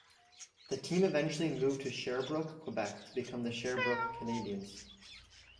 The team eventually moved to Sherbrooke, Quebec to become the Sherbrooke Canadiens.